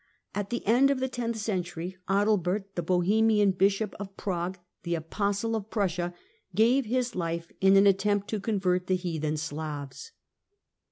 At the end of the tenth century, Adalbert, the Bohemian bishop of Prague, the "Apostle of Prussia," gave his life in an attempt to convert the heathen Slavs.